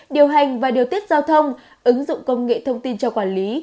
điều hành và điều tiết giao thông ứng dụng công nghệ thông tin cho quản lý